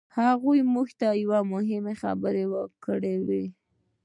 هغه موږ ته يوه مهمه خبره کړې وه.